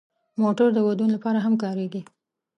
موټر د ودونو لپاره هم کارېږي.